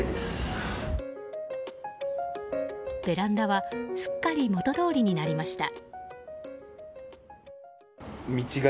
ベランダはすっかり元どおりになりました。